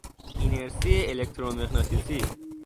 اینرسی الکترومغناطیسی